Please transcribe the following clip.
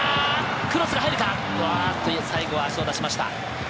クロスが入るが、最後、足を出しました。